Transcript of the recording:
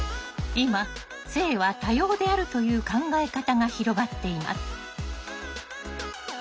今性は多様であるという考え方が広がっています。